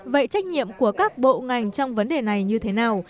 vậy trách nhiệm của các bộ ngành trong vấn đề này như thế nào